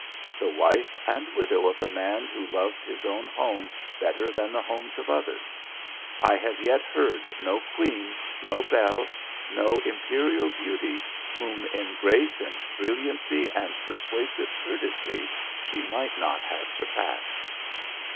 The wife and widow of a man who loved his own home better than the homes of others, I have yet heard of no queen, no belle, no imperial beauty, whom in grace, and brilliancy, and persuasive courtesy, she might not have surpassed.